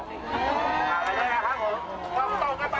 วิทยาลัยเมริกาวิทยาลัยเมริกา